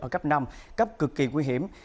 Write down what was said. ở cấp năm cấp cực kỳ nguy hiểm